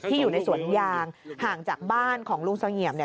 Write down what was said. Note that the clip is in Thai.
ที่อยู่ในสวรรค์ยางห่างจากบ้านของลุงสังเงียมนะ